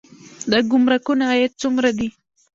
د ګمرکونو عاید څومره دی؟